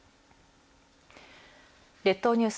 列島ニュース